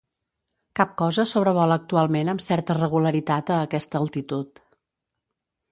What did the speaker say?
Cap cosa sobrevola actualment amb certa regularitat a aquesta altitud.